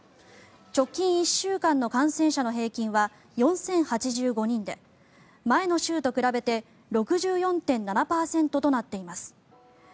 直近１週間の感染者の平均は４０８５人で前の週と比べて６４．７％となっています。